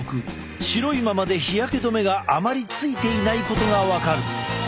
白いままで日焼け止めがあまりついていないことが分かる。